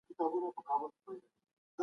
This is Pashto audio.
انسان بايد خپله عقيده په فکر جوړه کړي.